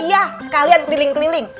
iya sekalian keliling keliling